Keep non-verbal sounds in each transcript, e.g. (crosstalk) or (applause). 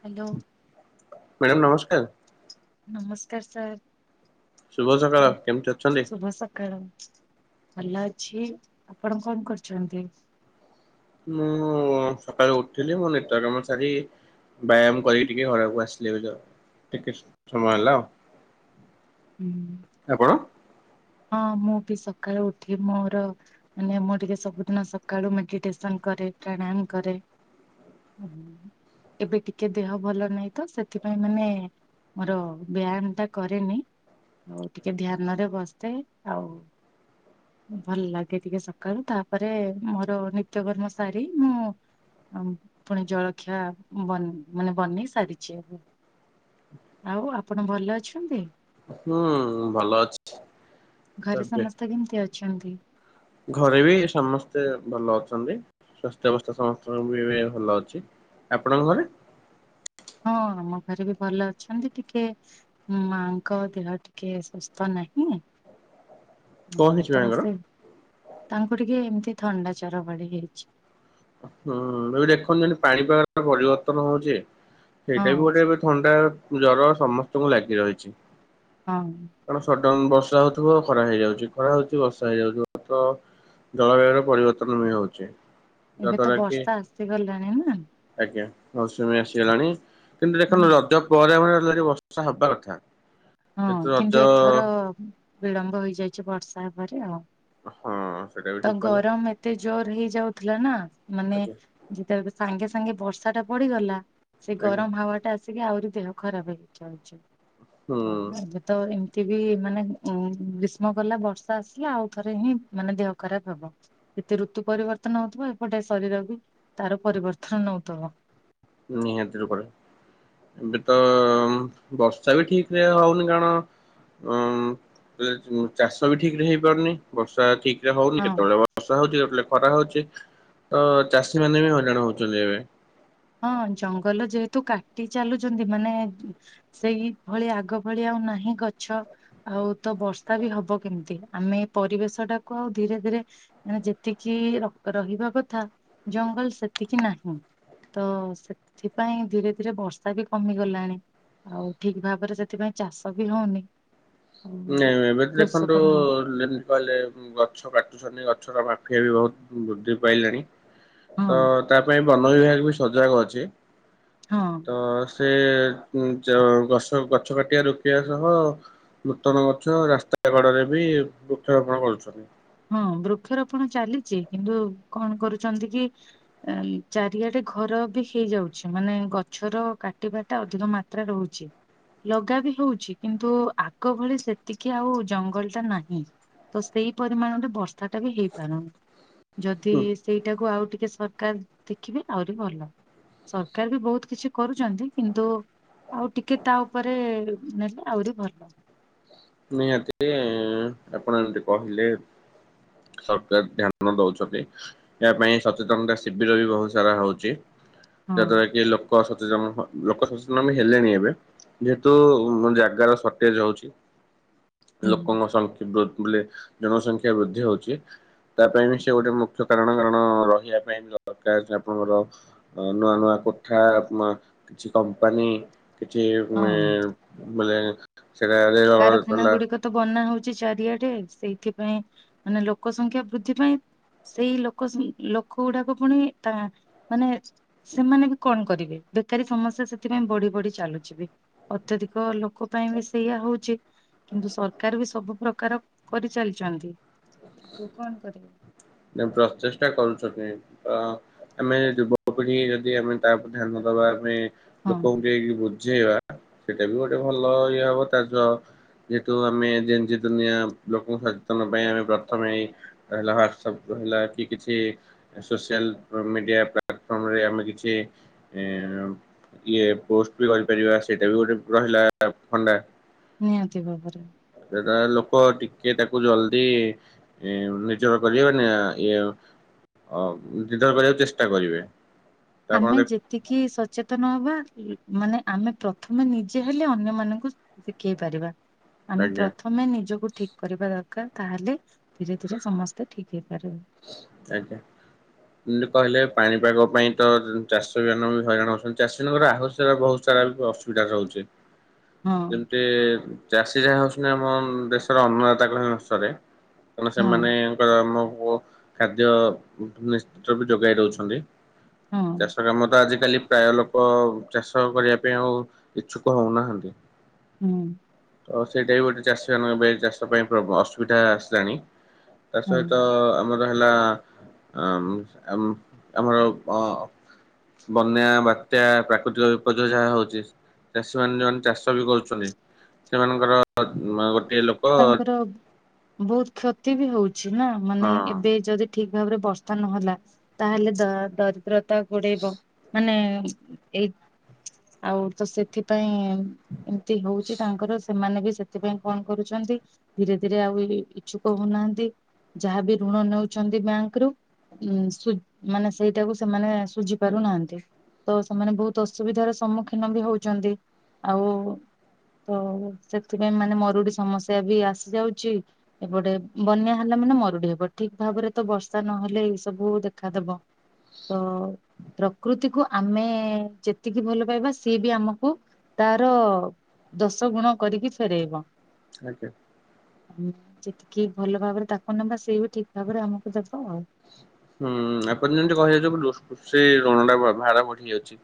Hello. Madam ନମସ୍କାର ନମସ୍କାର sir. ଶୁଭ ସକାଳ କଣ କେମିତି ଅଛନ୍ତି? ଶୁଭ ସକାଳ ଭଲ ଅଛି ଆପଣ କଣ କରୁଛନ୍ତି? ମୁଁ ସକାଳୁ ଉଠିଲି ମୋ ନିତ୍ୟ କର୍ମ ସାରି ବ୍ୟାୟାମ କରିକି ଟିକେ ଖରା କୁ ଆସିଲି ଏବେ ଆଉ ଟିକେ ସମୟ ହେଲା ଆଉ। ହୁଁ। ଆପଣ? ହଁ ମୁଁ ବି ସକାଳୁ ଉଠି ମୋର ମାନେ ମୁଁ ଟିକେ ସବୁଦିନ ସକାଳୁ ମେଡିଟେସନ କରେ ପ୍ରଣାୟାମ କରେ। ଏବେ ଟିକେ ଦେହ ଭଲ ନାହିଁ ତ ସେଥିପାଇଁ ମାନେ ମୋର ବ୍ୟାୟାମ ଟା କରେନି ଆଉ ଟିକେ ଧ୍ୟାନ ରେ ବସ ଥାଏ ଆଉ ଭଲ ଲାଗେ ଟିକେ ସକାଳୁ ତାପରେ ମୋର ନିତ୍ୟକର୍ମ ଶାରୀ ମୁଁ ପୁଣି ଜଳଖିଆ ବ ମାନେ ବନେଇ ସାରିଛି ଏବେ। ଆଉ ଆପଣ ଭଲ ଅଛନ୍ତି? ହୁଁ ଭଲ ଅଛି। ତ ଘରେ ଏବେ ସମସ୍ତେ କେମିତି ଅଛନ୍ତି? ଘରେ ବି ସମସ୍ତେ ଭଲ ଅଛନ୍ତି। ସ୍ୱାସ୍ଥ୍ୟ ଅବସ୍ଥା ସମସ୍ତଙ୍କ ବି ଭଲ ଅଛି। ଆପଣଙ୍କ ଘରେ? ହଁ ଆମ ଘରେ ବି ଭଲ ଅଛନ୍ତି ଟିକେ ମାଙ୍କ ଦେହ ଟିକେ ସୁସ୍ଥ ନାହିଁ। କଣ ନାହିଁ ହେଇଛି ତ ମାଙ୍କର? ସେ ତାଙ୍କୁ ଟିକେ ଏମିତି ଥଣ୍ଡା ଜର ଭଳି ହେଇଛି। ହୁଁ ଏବେ ଦେଖନ୍ତୁ ପାଣିପାଗ ର ପରିବର୍ତ୍ତନ ହଉଛି। ହଁ ସେଇଟା ବି ଗୋଟେ ଏବେ ଥଣ୍ଡା ଜର ସମସ୍ତଙ୍କୁ ଲାଗି ରହିଛି। ହଁ। କାରଣ ବର୍ଷା ହଉଥିବ ଖରା ହେଇଯାଉଛି ଖରା ହଉଛି ବର୍ଷା ହେଇଯାଉଥିବ ତ ଜଳବାୟୁ ର ପରିବର୍ତ୍ତନ ବି ହଉଛି। ଏବେ ତ ଯାହାଦ୍ୱାରା କି ବର୍ଷା ଆସିଗଲାଣି ନା ଆଜ୍ଞା ମୌସୁମୀ ଆସେ ଗଲାଣି କିନ୍ତୁ ହୁଁ, ଦେଖନ୍ତୁ ରଜ ପରେ (unintelligible) ବର୍ଷା ହବା କଥା। ହଁ କିନ୍ତୁ ଏଥର ବିଳମ୍ବ ହେଇଯାଇଛି ବର୍ଷା ହେବରେ ଆଉ। ହଁ। ସେଇଟା ବି ତ ଠିକ କହିଲେ ଗରମ ଏତେ ଜୋର ହେଇଯାଉଥିଲା ନା ମାନେ ଆଜ୍ଞା ଯେତେବେଳେ ସାଙ୍ଗେ ସାଙ୍ଗେ ବର୍ଷା ବର୍ଷା ଟା ପଡିଗଲା ସେ ଆଜ୍ଞା ଗରମ ହାୱ ଟା ଆସିକି ଆହୁରି ଦେହ ଖରାପ ହେଇ ଯାଉଛି। ହୁଁ ତମେ ଏବେ ତ ଏ ସେ ବି ମାନେ ଉ ଗ୍ରୀଷ୍ମ ଗଲା ବର୍ଷା ଆସିଲା ଆଉ ଥରେ ହିଁ ମାନେ ଦେହ ଖରାପ ହବ। ଏତେ ଋତୁ ପରିବର୍ତ୍ତନ ହଉଥିବ ଏପଟେ ଶରୀର ବି ତାର ପରିବର୍ତ୍ତନ ନଉଥିବ। ନିହାତି ରୂପରେ। ଏବେ ତ ବର୍ଷା ବି ଠିକ ରେ ହଉନି କାରଣ ଉଁ ଚାଷ ବି ଠିକ ରେ ହେଇପାରୁନି ବର୍ଷା ଠିକ ହଉନି ହଁ। କେତେବେଳେ ବର୍ଷା ହଉଛି କେତେବେଳେ ଖରା ହଉଛି ତ ଚାଷୀ ମାନେ ବି ହଇରାଣ ହଉଛନ୍ତି ଏବେ। ହଁ ଜଙ୍ଗଲ ଯେହେତ ତୁ କାଟି ଚାଲୁଛନ୍ତି ମାନେ ସେଇ ଭଳି ଆଗ ଭଳି ଆଉ ନାହିଁ ଗଛ ଆଉ ତ ବର୍ଷା ବି ହବ କେମିତି ଆମେ ପରିବେଶ ଟାକୁ ଆଉ ଧୀରେ ଧୀରେ ମାନେ ଯେତିକି ରହିବା କଥା ଜଙ୍ଗଲ ସେତିକି ନାହିଁ। ତ ସେଥିପାଇଁ ଧୀରେ ଧୀରେ ବର୍ଷା ବି କମିଗଲାଣି। ଆଉ ଠିକ ଭାବରେ ସେଥିପାଇଁ ଚାଷ ବି ହଉନି। ଆଉ ନାଇଁ (unintelligible) ଏବେ ତ ଦେଖନ୍ତୁ କୃଷକ ମାନେ ଯେମିତି କହିଲେ ଗଛ କାଟୁଛନ୍ତି ଗଛର ମାଫିଆ ବି ବହୁତ ବୃଦ୍ଧି ପାଇଲେଣି ହଁ ତ ତା ପାଇଁ ବନ ବିଭାଗ ବି ସଜାଗ ଅଛି ହଁ ତ ସେ (unintelligible) ଗଛ ଗଛ କାଟିବା ରୋକିବା ସହ ନୂତନ ଗଛ ରାସ୍ତା କଡରେ ବି ବୃକ୍ଷରୋପଣ କରୁଛନ୍ତି। ହଁ ବୃକ୍ଷରୋପଣ ଚାଲିଛି କିନ୍ତୁ କଣ କରୁଛନ୍ତି କି ଚାରିଆଡେ ଘର ବି ହେଇଯାଉଛି ମାନେ ଗଛର କାଟିବା ଟା ଅଧିକ ମାତ୍ରା ରହୁଛି। ଲଗା ବି ହଉଛି କିନ୍ତୁ ଆଗ ଭଳି ସେତିକି ଆଉ ଜଙ୍ଗଲ ଟା ନାହିଁ। ତ ସେଇ ପରିମାଣରେେ ବର୍ଷା ଟା ବି ହେଇପାରୁନି ଯଦି ହୁଁ ସେଇଟାକୁ ଆଉ ଟିକେ ସରକାର ଦେଖିବେ ଆହୁରି ଭଲ ସରକାର ବି ବହୁତ କିଛି କରୁଛନ୍ତି କିନ୍ତୁ ଆଉ ଟିକେ ତା ଉପରେ ନେଲେ ଆହୁରି ଭଲ। ନିହାତି ଆପଣ ଯେମିତି କହିଲେ ସରକାର ଧ୍ୟାନ ଦଉଛନ୍ତି। ଏହା ପାଇଁ ସଚେତନତା ଶିବିର ବି ବହୁତ ସାରା ହଉଛି। ହଁ ଯାହାଦ୍ୱାରା କି ଲୋକ ସ୍ ଚେନ ଲୋକ ସଚେତନ ବି ହେଲେଣି ଏବେ ଯେହେତୁ ଜାଗାର ସଟେଜ ହଉଛି ହୁଁ ଲୋକଙ୍କ ସଂଖ୍ୟା ବେଲେ ଜନସଂଖ୍ୟା ବୃଦ୍ଧି ହଉଛି ତା ପାଇଁ ବି ସେ ଗୋଟେ ମୁଖ୍ୟ କାରଣ କାରଣ ରହିବା ପାଇଁ ବି ଦରକାର ଆପଣଙ୍କର ନୂଆ ନୂଆ କୋଠା ମା କିଛି କମ୍ପାନୀ କିଛି ଉ ହଁ। ବେଲେ ସେଟାରେ ରହି ଖାନା ଗୁଡିକ ତ ବନା ହଉଛି। ଚାରିଆଡେ ସେଇଥିପାଇଁ ମାନେ ଲୋକ ସଂଖ୍ୟା ବୃଦ୍ଧି ପାଇଁ ସେଇ ଲୋକ ସେ ଲୋକ ଗୁଡାକ ପୁଣି ତା ମାନେ ସେମାନେ ବି କଣ କରିବେ ବେକାରୀ ସମସ୍ୟା ସେଥିପାଇଁ ବଢି ବଢି ଚାଲୁଛି ବି ଅତ୍ୟଧିକ ଲୋକ ପାଇଁ ବି ସେଇଆ ହଉ। କିନ୍ତୁ ସରକାର ବି ସବୁ ପ୍ରକାର କରିଚାଲିଛନ୍ତି। ତୁ କଣ କରିବୁ? ପ୍ରଚେଷ୍ଟା କରୁଛନ୍ତି ଆମେ ଯୁବପିଢି ଯଦି ଆମେ ତା ଉପରେ ଧ୍ୟାନ ଦବା ଆମେ ହଁ ଲୋକଙ୍କୁ ଯାଇକି ବୁଝ୍ ବୁଝେଇବା ସେଇଟା ବି ଗୋଟେ ଭଲ ଇଏ ହବ ତା ଯ ଯେହେତୁ ଆମେ ଯେନଜି ଦୁନିଆ ଲୋକଙ୍କୁ ସଚେତନ ପାଇଁ ଆମେ ପ୍ରଥମେ ଏଇ ହେଲା ୱାଟ୍ସସପ ରହିଲା କି କିଛି ସୋସିଆଲ ମିଡ଼ିଆ ପ୍ଲା କରି ଆମେ କିଛି ଇଏ ପୋଷ୍ଟ ବି ରହିପାରିବା ସେଇଟା ବି ଗୋଟେ ରହିଲା ତାର ଫଣ୍ଡା ନିହାତି ଭାବରେ ବ ଟିକେ ତାକୁ ଜଲଦି ନିଜର କରିହବ ଇଏ ଅ ଯୁଦ୍ଧ କରିବାକୁ ଚେଷ୍ଟା କରିବେ। ତ ଆପଣ ଆମେ ଦେଖ ଯେତିକି ସଚେତନ ହବା ମାନେ ଆମେ ପ୍ର ଥମେ ନିଜେ ହେଲେ ଅନ୍ୟ ମାନଙ୍କୁ ଶିଖେଇ ପାରିବା। ଆମେ ଆଜ୍ଞା ପ୍ରଥମେ ନିଜକୁ ଠିକ କରିବା ଦରକା କାର ତାହେଲେ ଧୀରେ ଧୀରେ ସମସ୍ତେ ଠିକ ହେଇପାରିବେ। ଆଜ୍ଞା। ଲ କହିଲେ ପାଣିପାଗ ପାଇଁ ତ ଚାଷୀ ମାନେ ବି ହଇରାଣ ହଉଛନ୍ତି ଚାଷୀ ମାନଙ୍କର ଆହସ୍ୟ ବହୁତ ଲା ବେଳକୁ ଅସୁବିଧା ରହୁଛି। ହଁ ଯେମିତି ଚାଷୀ ଯାହା ହଉଛନ୍ତି ଆମ ଦେଶର ଅନ୍ନଦତା କହିଲେ ନସରେ ତ ହଁ ସେମାନଙ୍କର ଆମକୁ ଖାଦ୍ୟ ନିଶ୍ଚ ବି ଯୋଗାଇଦଉଛନ୍ତି ହଁ ଚାଷ କାମ ତ ଆଜିକାଲି ପ୍ରାୟ ଲୋକ ଚାଷ କରିବା ପାଇଁ ଆଉ ଇଛୁକ ହଉନାହାନ୍ତି। ହୁଁ। ଆଉ ସେଇଟା ବି ଗୋଟେ ଚାଷୀ ମାନଙ୍କ ଚାଷ ପାଇଁ ଅସୁବିଧା ଆସିଲାଣି ତା ହଁ ସହିତ ଆମର ଲା ଆମ୍ ଆମ୍ ଆମର ଅ ବନ୍ୟା ବାତ୍ୟା ପ୍ରାକୃତିକ ବିପଯ୍ୟୟ ଯାହା ହଉଛି ଚାଷୀ ମାନେ ଯୋଉମାନେ ଚାଷ ବି କରୁଛନ୍ତି ସେମାନଙ୍କର ଗ ତାଙ୍କର ବହୁତ କ୍ଷତି ବି ହଉଛି ନା ହଁ ମାନେ ଏବେ ଯଦି ଠିକ୍ ଭାବରେ ବର୍ଷା ନହେଲା ତାହେଲେ ଦ ଦରିଦ୍ରତା ଗୋଡେଇବ ମାନେ ଏଇ ଆଉ ତ ସେଥିପାଇଁ ଏମିତି ହଉଛି ତାଙ୍କର ସେମାନେ ବି ସେଥିପାଇଁ କଣ କରୁଛନ୍ତି ଧୀରେ ଧୀରେ ଆଉ ଇଛୁକ ହୋଉନାହାନ୍ତି। ଯାହାବି ଋଣ ନେଉଛନ୍ତି ବ୍ୟାଙ୍କରୁ ଉଁ ମାନେ ସେଇଟାକୁ ସେମାନେ ସୁଝି ପାରୁନାହାନ୍ତି ତ ସେମାନେ ବହୁତ ଅସୁବିଧାର ସମ୍ମୁଖୀନ ବି ହଉଛନ୍ତି ଆଉ ତ ସେଥିପାଇଁ ମାନେ ମରୁଡି ସ ସମସ୍ୟା ବି ଆସି ଯାଉଛି ଏପଟେ ବନ୍ୟା ହେଲା ମାନେ ମରୁଡି ହେବ ଠିକ ଭାବରେ ତ ବର୍ଷା ନହ ନହେଲେ ଏଇ ସବୁ ଦେଖାଦବ ତ ପ୍ରକୃତିକୁ ଆମେ ଯେତିକି ଭଲ ପାଇବା ସିଏ ବି ଆମକୁ ତାର ଦଶ ଗୁଣ କରିକି ଫେରେଇବ ଆଜ୍ଞା ଉ ଯେତିକି ଭଲ ଭାବରେ ତାକୁ ନବା ସେଇ ବି ଠିକ ଭାବରେ ଆମକୁ ଦବ ଆଉ ହୁଁ ଆପଣ ଯେମିତି କହି ଯାଉଛୁୁ କୃଷି ରଣଟା ଭାର ବଢି ଯାଉଛି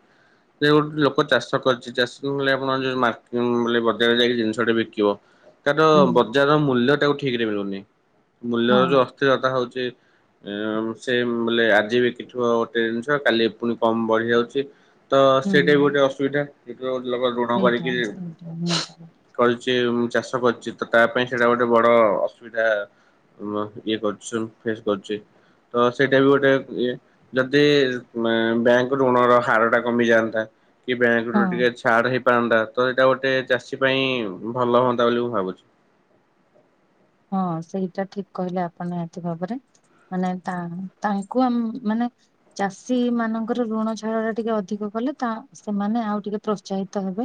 ଯେ ଗୋଟେ ଲୋକ ଚାଷ କରଛି ଚାଷ (unintelligible) ଆପଣ ଯୋଉ ମ ବଜାର ଯାଇକି ଜିନିଷଟା ବିକିବ ତାର ହୁଁ ବଜାରର ମୂଲ୍ୟ ତାକୁ ଠିକ ରେ ମିଳୁନି ମୂଲ୍ୟ ହଁ ର ଯୋଉ ଅସ୍ଥିରତା ହଉଛି ଉଁ ସେମ ବୋଲେ ଆଜି ବିକି ଥିବ ଗୋଟେ ଜିନିଷ କାଲି ପୁଣି କମ ବଢି ଯାଉଛି ତ ହୁଁ ସେଇଟା ବି ଗୋଟେ ଅସୁବିଧା ଯୋଉ ଲୋକ ଋଣ ସେଇଟା କରିକି ଉଁ ସେଇଟା ନିହାତି ଭାବେ। କରିଛି ଚାଷ କରିଛି ତ ତା ପାଇଁ ସେଇଟା ଗୋଟେ ବଡ ଅସୁବିଧା ଋଣ ଯିଏ କରୁଛି ସବୁ ଫେସ କରୁଛି ତ ସେଇଟା ବି ଗୋଟେ ଇଏ ଯଦି ବ୍ୟାଙ୍କ ଋଣ ର ହାର ଟା କମିଯାଆନ୍ତା କି ବ୍ୟାଙ୍କରୁ ହଁ ଟିକେ ଛାଡ୍ ହେଇ ପାରନ୍ତା ତ ଏଇଟା ଗୋଟେ ଚାଷୀ ପାଇଁ ଭଲ ହୁଅନ୍ତା ବୋଲି ମୁଁ ଭାବୁଛି ହଁ ସେଇଟା ଠିକ କହିଲେ ଆପଣ ନିହାତି ଭାବରେ ମାନେ ତାଙ୍କୁ ତାଙ୍କୁ ଆମ ମାନେ ଚାଷୀ ମାନଙ୍କର ଋଣ ଛାଡ଼ଟା ଟିକେ ଅଧିକ କଲେ ତା ସେମାନେ ଆଉ ଟିକେ ପ୍ରୋତ୍ସାହିତ ହେବେ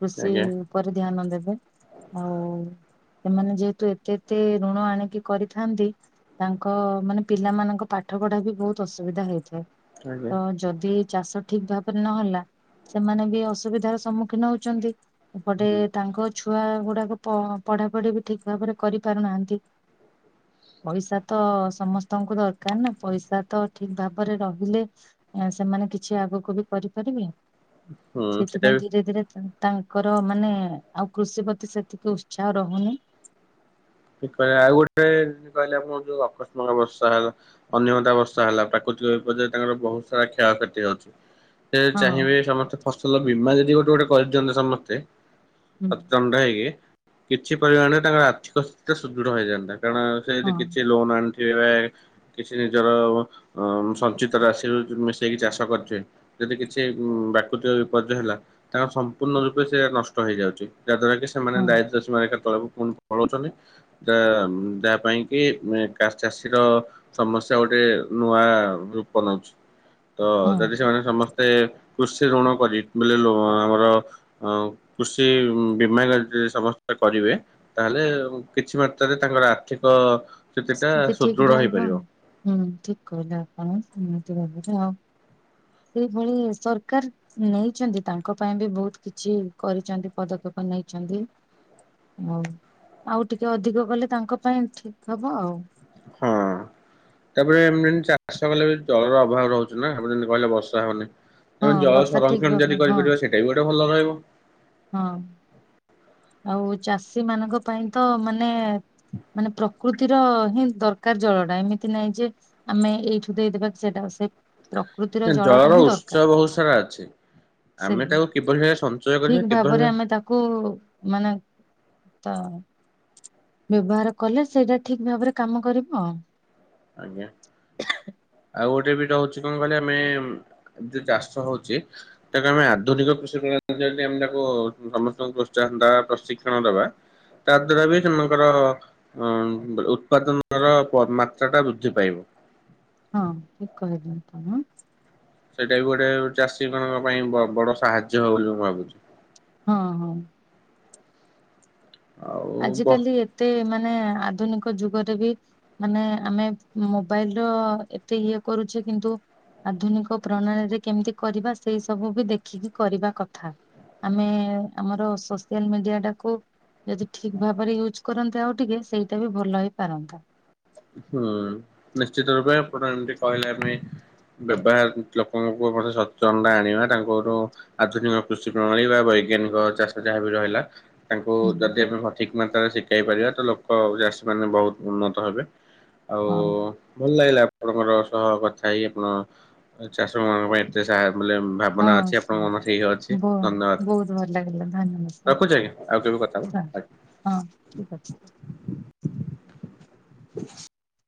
କୃଷି ଆଜ୍ଞା ଉପରେ ଧ୍ୟାନ ଦେବେ ଆଉ ସେମାନେ ଯେହେତୁ ଯେତେ ଋଣ ଆଣିକି କରିଥାନ୍ତି ତାଙ୍କ ମାନେ ପିଲାମାନଙ୍କ ପାଠ ପଢା ବି ବହୁତ ଅସୁବିଧା ସୁବିଧା ହେଇଥାଏ ଆଜ୍ଞା ତ ଯଦି ଚାଷ ଠିକ ଭାବରେ ନହେଲା ସେମାନେ ବି ଅସୁବିଧାର ସମ୍ମୁଖୀନ ହଉଛନ୍ତି! ଏପଟେ ତାଙ୍କ ଛୁଆ ଗୁଡାକ ପ ପଢା ପଢି ବି ଠିକ ଭାବରେ କରି ପାରୁନାହାନ୍ତି ପଇସା ତ ସମସ୍ତଙ୍କୁ ଦରକାର ନା ପଇସା ତ ଠିକ ଭାବରେ ରହିଲେ ସେମାନେ କିଛି ଆଗକୁ ବି କରିପାରିବି ହୁଁ ସେଇଟା ବି ସେଥିପାଇଁ ଧୀରେ ଧୀରେ ତ ତାଙ୍କର ମାନେ ଆଉ କୃଷି ପ୍ରତି ସେତିକି ଉତ୍ସାହ ରହୁନି ଠିକ କହିଲେ ଆଉ ଗୋଟେ କହିଲେ ଆପଣ ଯୋଉ ଆକସ୍ମିକ ବର୍ଷା ହେଲା ଅନିୟମିତା ବର୍ଷା ହେଲା ପ୍ରାକୃତିକ (unintelligible) ବିପର୍ଯ୍ୟୟରେ ତାଙ୍କର ବହୁତ ସାରା କ୍ଷୟକ୍ଷତି ହଉଛି ସେ ହଁ ଚାହିଁବେ ସମସ୍ତେ ଫସଲ ବୀମା ଯଦି ଗୋଟେ ଗୋଟେ କରିଦିଅନ୍ତେ ସମସ୍ତେ ହୁଁ ପ୍ରଚଣ୍ଡ ହେଇକି କିଛି ପରିମାଣରେ ତାଙ୍କର ଆର୍ଥିକ ସ୍ଥିତି ସୁଦୃଢ ହେଇଯାନ୍ତା କଣ ସେ ହଁ ସେଠି କିଛି ଲୋନ ଆଣିନି (unintelligible) କିଛି ନିଜର ସଞ୍ଚିତ ରାଶିରୁ ମିଶେଇକି ଚାଷ କରିଥିବେ ଯଦି କିଛି ପ୍ରାକୁୃତିକ ବିପର୍ଯ୍ୟୟ ହେଲା ତାହା ହେଲେ ସମ୍ପୂର୍ଣ୍ଣ ରୂପେ ସେ ନଷ୍ଟ ହେଇଯାଉଛି ଯାହାଦ୍ୱାରା କି ସେମାନେ ହଁ ଦାୟିତ୍ଵ ସେମାନେ ଏକା ପୁଣି ତଳକୁ ପୁଣି ପଳାଉଛନ୍ତି ତ ଯାହା ପାଇଁ କି ଚାଷୀ ଚାଷୀର ସମସ୍ୟା ଗୋଟେ ନୂଆ ରୂପ ନଉଛି ତ ହଁ ଯଦି ସେମାନେ ସମସ୍ତେ କୃଷି ଋଣ କରି ବୋଇଲେ ଆମର କୃଷି ବୀମା ସମସ୍ତେ କରିବେ ତାହେଲେ କିଛି ମାତ୍ରାରେ ତାଙ୍କର ଆର୍ଥିକ ସ୍ଥିତିଟା ସ୍ଥିତି ଠିକ ସୁଦୃଢ ରହିବ ହେଇପାରିବ। ହୁଁ ଠିକ୍ କହିଲେ ଆପଣ ଏମତି ଭାବରେ ଆଉ ସେଇଭଳି ସରକାର ନେଇଛନ୍ତି ତାଙ୍କ ପାଇଁ ବି ବହୁତ କିଛି କରିଛନ୍ତି ପଦକ୍ଷେପ ନେଇଛନ୍ତି ହଉ ଆଉ ଟିକେ ଅଧିକ କଲେ ତାଙ୍କ ପାଇଁ ଠିକ ହବ ଆଉ (inaudible) ହଁ ତାପରେ ଏମିତି ଚାଷ କଲେ ବି ଜଳର ଅଭାବ ରହୁଛିୁ ନା ଆମେ ଯେମିତି କହିଲେ ବର୍ଷା ହଉନି ଏବଂ ହଁ ଜଳ ବର୍ଷା ଠିକ ସଂରକ୍ଷଣ ଭାବ ଯଦି ହଁ କରିପାରିବ ସେଇଟା ବି ଗୋଟେ ଭଲ ରହିବ। ହଁ। ଆଉ ଚାଷୀ ମାନଙ୍କ ପାଇଁ ତ ମାନେ ମାନେ ପ୍ରକୃତିର ହିଁ ଦରକାର ଜଳ ଟା ଏମିତି ନାଇଁ ଯେ ଆମେ ଏଇଠୁ ଦେଇଦବା କି ସେଇଟା ସେ ପ୍ରକୃତିର ଜଳଟା ଜଳର ହିଁ ଉତ୍ସ ଦରକାର। ବହୁତ ସାରା ଅଛି ଆମେ ସେଇ ତାକୁ କିଭଳି ଭାବେ ସଞ୍ଚୟ କରିବା ଠିକ କିଭଳି ଭାବରେ ଭାବେ ଆମେ ତାକୁ ମାନେ ତ? ବ୍ୟବହାର କଲେ ସେଇଟା ଠିକ ଭାବରେ କାମ କରିବ ଆଉ। ଆଜ୍ଞା। (unintelligible) ଆଉ ଗୋଟେ ବି ରହୁଛି କଣ କହିଲେ ଆମେ ଯୋଉ ଚାଷ ହଉଛି ତାକୁ ଆମେ ଆଧୁନିକ କୃଷି ପ୍ରଣାଳିରେ ଆମେ ତାକୁ ସମସ୍ତଙ୍କୁ ପ୍ରୋତ୍ସାହନ ଦବା ପ୍ରଶିକ୍ଷଣ ଦବା ତା ଦ୍ଵାରା ବି ସେମାନଙ୍କର ଉତ୍ପାଦନର (unintelligible) ହଁ ଠିକ କହି (unintelligible) ସେଇଟା ବି ଗୋଟେ ଚାଷୀ ମାନଙ୍କ ପାଇଁ ବଡ ସାହାଯ୍ୟ ହବ ବୋଲି ମୁଁ ଭାବୁଛି। ହଁ ହଁ। ଆଉ ବ ଆଜିିକାଲି ଏତେ ମାନେ ମାନେ ଆଧୁନିକ ଯୁଗରେ ବି ମାନେ ଆମେ ମୋବାଇଲ ର ଏତେ ଇଏ କରୁଛେ କିନ୍ତୁ ଆଧୁନିକ ପ୍ରଣାଳୀରେ କେମିତି କରିବା ସେଇ ସବୁ ବି ଦେଖିକି କରିବା କଥା। ଆମେ ଆମର ସୋସିଆଲ ମିଡିଆ ଟାକୁ ଯଦି ଠିକ ଭାବରେ ୟୁଜ୍ କରନ୍ତେ ଆଉ ଟିକେ ସେଇଟା ବି ଭଲ ହେଇପାରନ୍ତା। ହୁଁ ନିଶ୍ଚିତ ରୂପେ ପ୍ରଧାନମନ୍ତ୍ରୀ କହିଲେ ଆମେ ବ୍ୟବହାର ଲୋକଙ୍କୁ ମେ ସଚେତନତା ଆଣିବା ତାଙ୍କଠୁ ଆଧୁନିକ କୃଷି ପ୍ରଣାଳୀ ବା ବୈଜ୍ଞାନିକ ଚାଷ ଯାହା ବି ରହିଲା ତାଙ୍କୁ ହୁଁ ଯଦି ଆମେ ଠିକ୍ ମାତ୍ରାରେ ଶିଖାଇ ପାରିବା ତ ଲୋକ ଚାଷୀମାନେ ବହୁତ ଉନ୍ନତ ହେବେ। ଆଉ ହଁ ଭଲ ଲାଗିଲା ଆପଣଙ୍କ ସହ କଥା ହେଇ ଆପଣ ଚାଷ ମାନଙ୍କ ପାଇଁ ଏତେ ସାହାୟ ଭାବନା ହଁ। ଅଛି ସେ ଆପଣଙ୍କ ମନ ଇ ଅଛି ବ ବହୁତ ଭଲ ଲାଗିଲା ଧନ୍ୟବାଦ ଧନ୍ୟବାଦ ସାର୍ ରଖୁଛି ଆଜ୍ଞା ଆଉ କେ କଥା ସାର୍ ଆ। ହଁ ଠିକ ଅଛି। (inaudible)